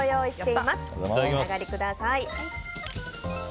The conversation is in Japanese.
お召し上がりください。